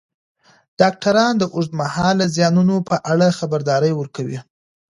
ډاکټران د اوږدمهاله زیانونو په اړه خبرداری ورکوي.